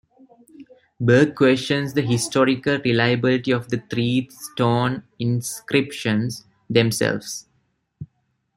Berg questions the historical reliability of the three stone inscriptions themselves.